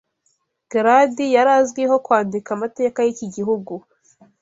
Garadi yari azwiho kwandika amateka y'iki gihugu